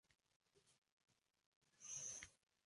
Estudió arte dramático.